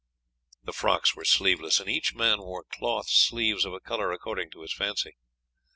The frocks were sleeveless, and each man wore cloth sleeves of a colour according to his fancy.